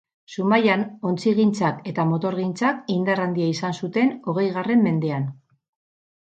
Zumaian ontzigintzak eta motorgintzak indar handia izan zuten hogeigarren mendean.